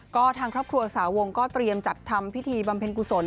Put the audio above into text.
ก็ทางครอบครัวสาวงก็เตรียมจัดทำพิธีบำเพ็ญกุศล